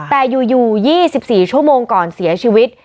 แต่อยู่๒๔ชั่วโมงก่อนเสียชีวิต